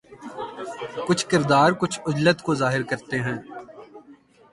کچھ کردار کچھ عجلت کو ظاہر کرتے ہیں